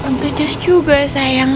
mt jess juga sayang